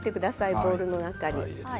ボウルの中に。